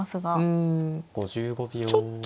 うんちょっと